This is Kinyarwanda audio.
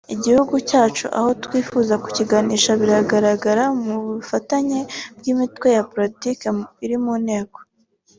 Igihugu cyacu n’aho twifuza kukiganisha bigaragara mu bufatanye bw’imitwe ya politiki iri mu nteko